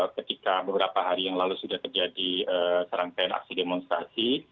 ketika beberapa hari yang lalu sudah terjadi serangkaian aksi demonstrasi